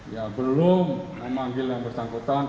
ya belum memanggil yang bersangkutan